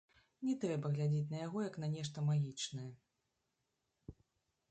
Не трэба глядзець на яго як на нешта магічнае.